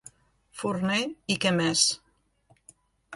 Forner i què més?